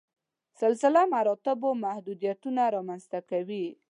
سلسله مراتبو محدودیتونه رامنځته کوي.